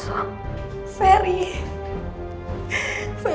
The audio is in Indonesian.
tidak ada apa apa